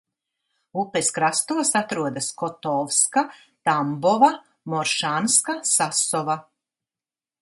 Upes krastos atrodas Kotovska, Tambova, Moršanska, Sasova.